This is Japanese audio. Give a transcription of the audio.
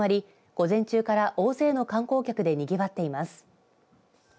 午前中から大勢の観光客でにぎわっています。